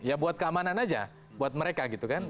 ya buat keamanan aja buat mereka gitu kan